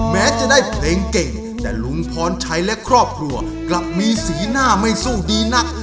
แม้จะได้เพลงเก่งแต่ลุงพรชัยและครอบครัวกลับมีสีหน้าไม่สู้ดีนัก